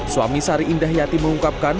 suami sari indah yati mengungkapkan